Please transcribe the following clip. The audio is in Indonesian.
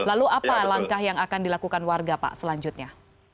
lalu apa langkah yang akan dilakukan warga pak selanjutnya